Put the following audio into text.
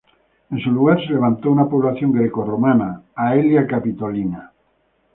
En su lugar se levantó una población greco-romana, Aelia Capitolina.